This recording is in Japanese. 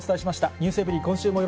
ｎｅｗｓｅｖｅｒｙ．今週もよ